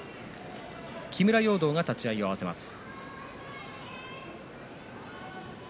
木村容堂が立ち合いを合わせます。